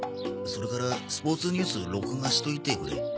それからスポーツニュース録画しといてくれ。